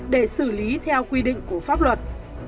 để xử lý theo quy định của pháp luật